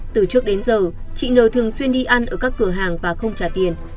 từ trước đến giờ chị nờ thường xuyên đi ăn ở các cửa hàng và không trả tiền